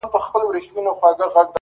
زموږ وطن كي اور بل دی،